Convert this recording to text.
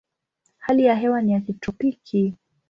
Hali ya hewa ni ya kitropiki.